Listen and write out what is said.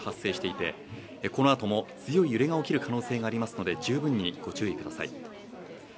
このあとも強い揺れが起きる恐れがありますので十分にご注意ください。